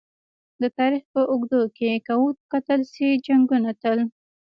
د تاریخ په اوږدو کې که وکتل شي! جنګونه تل